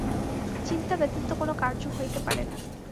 চিন্তা ব্যতীত কোন কার্য হইতে পারে না।